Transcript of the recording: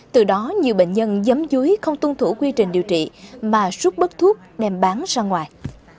từ đó nhiều bệnh nhân giấm dúi không tuân thủ quy trình điều trị mà rút bớt thuốc đem bán ra ngoài